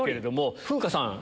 風花さん